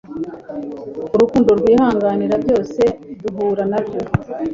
Urukundo rwihanganira byose duhura nabyo